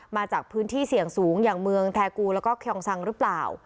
มาจากพื้นที่เสี่ยงสูงอย่างเมืองแทกูแล้วก็คยองซังหรือเปล่า